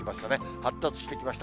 発達してきました。